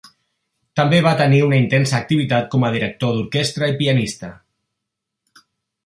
També va tenir una intensa activitat com a director d'orquestra i pianista.